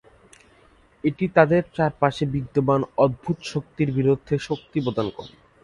এটি তাদের চারপাশে বিদ্যমান অদ্ভুত শক্তির বিরুদ্ধে শক্তি প্রদান করে।